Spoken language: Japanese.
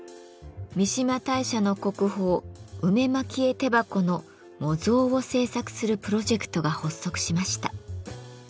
三嶋大社の国宝「梅蒔絵手箱」の模造を制作するプロジェクトが発足しました。